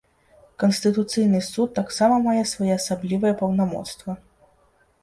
Канстытуцыйны суд таксама мае своеасаблівае паўнамоцтва.